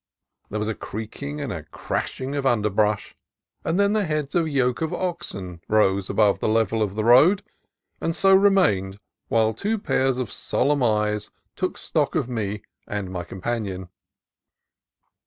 There was a creaking and cracking of underbrush, and then the heads of a yoke of oxen rose above the level of the road, and so re mained while two pairs of solemn eyes took stock of me and my companion.